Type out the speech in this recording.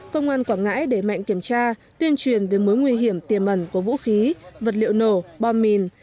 công an quảng ngãi để mạnh kiểm tra tuyên truyền về mối nguy hiểm tiềm ẩn của vũ khí vật liệu nổ bom mìn